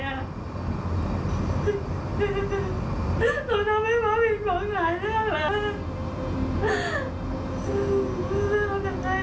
หนูทำให้มาผิดหลงหลายเรื่องแล้ว